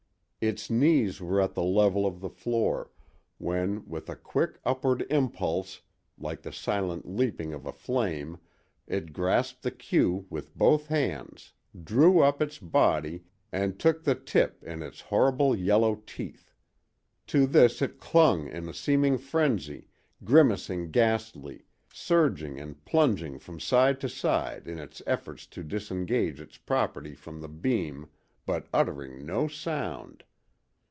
Its knees were at the level of the floor, when with a quick upward impulse like the silent leaping of a flame it grasped the queue with both hands, drew up its body and took the tip in its horrible yellow teeth. To this it clung in a seeming frenzy, grimacing ghastly, surging and plunging from side to side in its efforts to disengage its property from the beam, but uttering no sound.